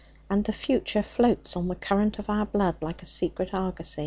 And the future floats on the current of our blood like a secret argosy.